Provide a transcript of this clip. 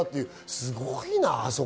すごいな。